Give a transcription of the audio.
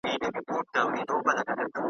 کتاب مي په لاس کي و او لمر ډوبېده.